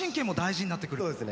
そうですね。